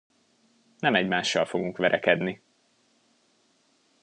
Nem egymással fogunk verekedni!